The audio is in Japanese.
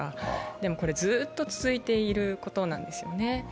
でもこれ、ずっと続いていることなんですよね。